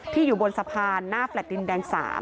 อยู่บนสะพานหน้าแฟลต์ดินแดง๓